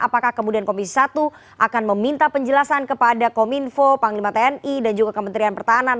apakah kemudian komisi satu akan meminta penjelasan kepada kominfo panglima tni dan juga kementerian pertahanan